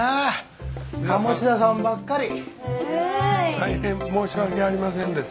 大変申し訳ありませんです。